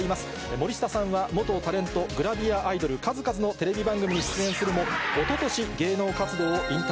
森下さんは元タレント、グラビアアイドル、数々のテレビ番組に出演するも、おととし、芸能活動を引退。